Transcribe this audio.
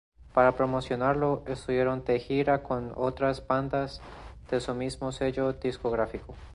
Para promocionarlo, estuvieron de gira con otras bandas de su mismo sello discográfico.